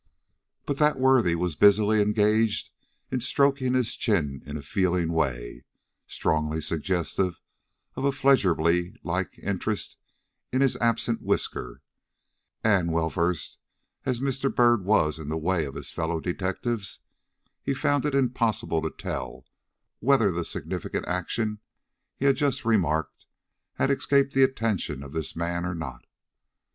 But that worthy was busily engaged in stroking his chin in a feeling way, strongly suggestive of a Fledgerby like interest in his absent whisker; and well versed as was Mr. Byrd in the ways of his fellow detectives, he found it impossible to tell whether the significant action he had just remarked had escaped the attention of this man or not.